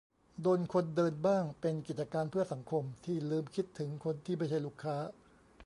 โดนคนเดินบ้าง เป็น "กิจการเพื่อสังคม" ที่ลืมคิดถึงคนที่ไม่ใช่ลูกค้า